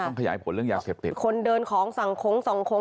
ขยายผลเรื่องยาเสพติดคนเดินของสั่งโค้งส่องโค้ง